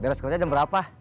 beres kerja jam berapa